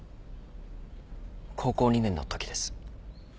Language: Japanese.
高校２年のときです。